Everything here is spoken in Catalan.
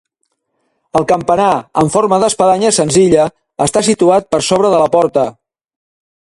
El campanar, en forma d'espadanya senzilla, està situat per sobre de la porta.